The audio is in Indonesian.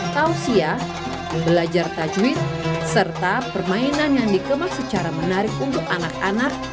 tausia belajar tajwid serta permainan yang dikemas secara menarik untuk anak anak